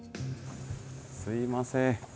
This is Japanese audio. すいません。